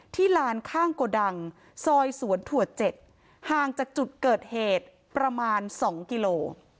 ลานข้างโกดังซอยสวนถั่ว๗ห่างจากจุดเกิดเหตุประมาณ๒กิโล